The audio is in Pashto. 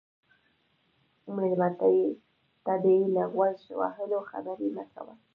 مېلمه ته بې له غوږ وهلو خبرې مه کوه.